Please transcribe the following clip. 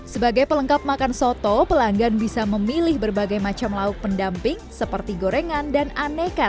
sebagai pelengkap makan soto pelanggan bisa memilih berbagai macam lauk pendamping seperti gorengan dan aneka